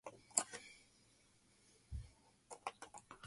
He was born, the son of a Sicilian immigrant father, in Tampa, Florida.